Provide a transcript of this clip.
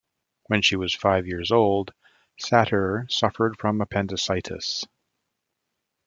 When she was five years old, Satir suffered from appendicitis.